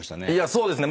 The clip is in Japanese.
そうですね。